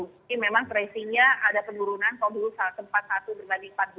jadi memang tracingnya ada penurunan kalau dulu saat tempat satu berbanding empat belas